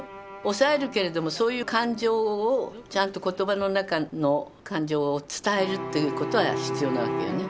抑えるけれどもそういう感情をちゃんと言葉の中の感情を伝えるということは必要なわけよね。